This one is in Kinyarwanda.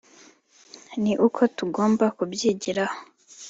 ni uko tugomba kubyigiraho